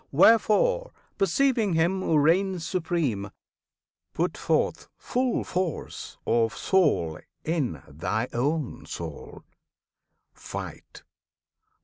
Wherefore, perceiving Him who reigns supreme, Put forth full force of Soul in thy own soul! Fight!